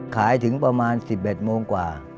ขายถึงประมาณสิบเบ็ดโมงกว่า